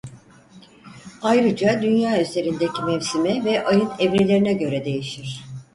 Ayrıca Dünya üzerindeki mevsime ve Ay'ın evrelerine göre değişir.